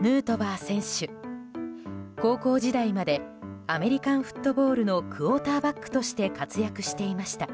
ヌートバー選手、高校時代までアメリカンフットボールのクォーターバックとして活躍していました。